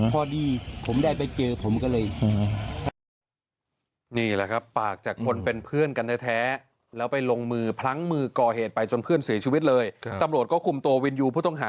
พอดีผมได้ไปเจอผมก็เลย